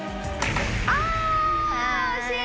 あおしい。